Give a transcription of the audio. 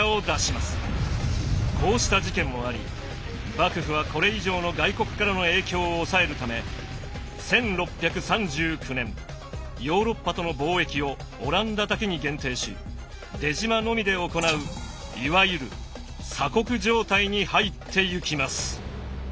こうした事件もあり幕府はこれ以上の外国からの影響を抑えるため１６３９年ヨーロッパとの貿易をオランダだけに限定し出島のみで行ういわゆる鎖国状態に入ってゆきます。